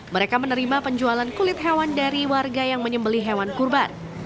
mereka menerima penjualan kulit hewan dari warga yang menyembeli hewan kurban